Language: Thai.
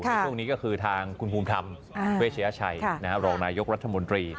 ในช่วงนี้ก็คือทางคุณภูมิธรรมเวชยชัยรองนายกรัฐมนตรี